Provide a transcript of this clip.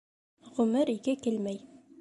Ғүмер ике килмәй.